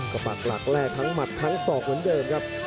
ก็ปักหลักแลกทั้งหมัดทั้งศอกเหมือนเดิมครับ